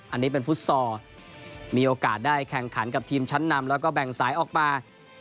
อันนี้เป็นฟุตซอลมีโอกาสได้แข่งขันกับทีมชั้นนำแล้วก็แบ่งสายออกมา